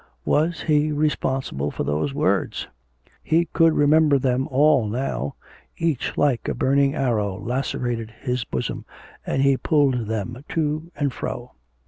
Was he responsible for those words? He could remember them all now; each like a burning arrow lacerated his bosom, and he pulled them to and fro.